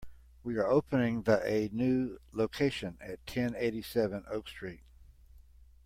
We are opening the a new location at ten eighty-seven Oak Street.